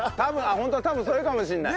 ホントは多分それかもしれない。